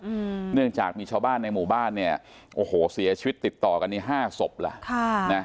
อืมเนื่องจากมีชาวบ้านในหมู่บ้านเนี่ยโอ้โหเสียชีวิตติดต่อกันนี่ห้าศพล่ะค่ะนะ